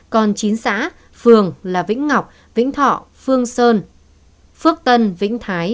còn chín xã phường là vĩnh ngọc vĩnh thọ phương sơn phước tân vĩnh thái